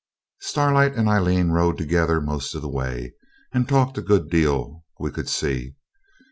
Starlight and Aileen rode together most of the way, and talked a good deal, we could see.